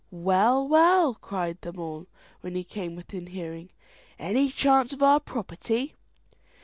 "Well, well," cried them all, when he came within hearing, "any chance of our property?"